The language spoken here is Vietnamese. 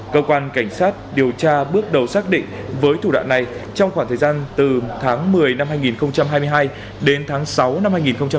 cơ quan cảnh sát điều tra bước đầu xác định với thủ đoạn này trong khoảng thời gian từ tháng một mươi năm hai nghìn hai mươi hai đến tháng sáu năm hai nghìn hai mươi ba